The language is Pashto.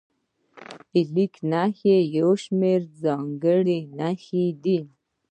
لیک نښې یو شمېر ځانګړې نښې دي.